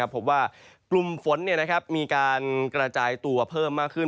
พบว่ากลุ่มฝนมีการกระจายตัวเพิ่มมากขึ้น